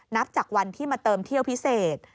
นับจากวันที่มาเติมเที่ยวพิเศษ